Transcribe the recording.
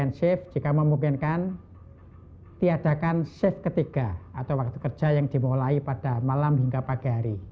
maka pembagian safe jika memungkinkan tiadakan safe ketiga atau waktu kerja yang dimulai pada malam hingga pagi hari